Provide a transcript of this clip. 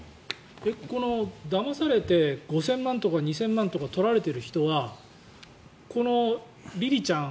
だまされて５０００万円とか２０００万円取られている人はこのりりちゃん